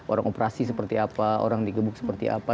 orang operasi seperti apa orang digebuk seperti apa